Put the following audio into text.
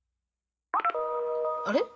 あれ？